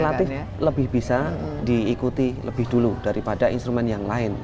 relatif lebih bisa diikuti lebih dulu daripada instrumen yang lain